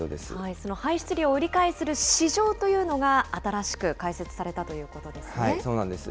その排出量を売り買いする市場というのが新しく開設されたとそうなんです。